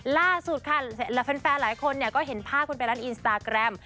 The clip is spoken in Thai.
ล่าสุดค่ะแฟนหลายคนก็เห็นภาพกันไปร้านอินสตาแกรม